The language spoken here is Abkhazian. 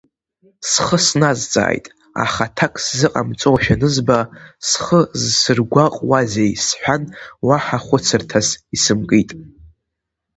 Схы сназҵааит, аха аҭак сзыҟамҵошәа анызба, схы зсыргәаҟуазеи сҳәан, уаҳа хәыцырҭас исымкит.